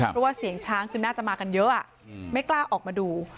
เพราะว่าเสียงช้างคือน่าจะมากันเยอะไม่กล้าออกมาดู